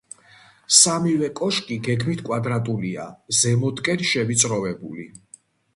სამივე კოშკი გეგმით კვადრატულია, ზემოთკენ შევიწროვებული.